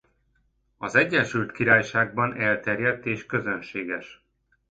Az Egyesült Királyságban elterjedt és közönséges.